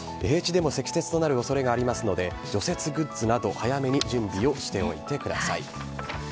平地でも積雪となるおそれがありますので、除雪グッズなど、早めに準備をしておいてください。